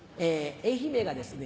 愛媛がですね